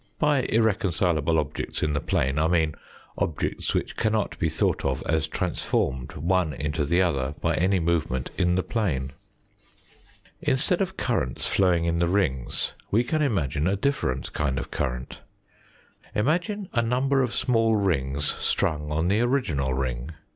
By irreconcilable objects in the plane I mean objects which cannot be thought of as transformed one into the other by any movement in the plane. Instead of currents flowing in the rings we can imagine a different kind of current. Imagine a number of small rings strung on the original ring.